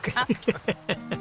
ハハハハ。